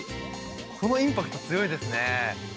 このインパクト、強いですね。